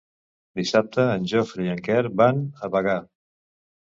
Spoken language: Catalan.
Dissabte en Jofre i en Quer van a Bagà.